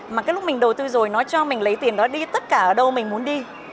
mà cái lúc mình đầu tư rồi nói cho mình lấy tiền đó đi tất cả ở đâu mình muốn đi